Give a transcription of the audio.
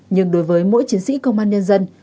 nhưng đối với mỗi chiến sĩ công an nhân dân